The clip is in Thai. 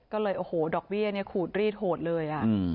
ก็เลยโอ้โหดอกเบี้ยเนี่ยขูดรีดโหดเลย